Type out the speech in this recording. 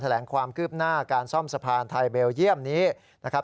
แหลงความคืบหน้าการซ่อมสะพานไทยเบลเยี่ยมนี้นะครับ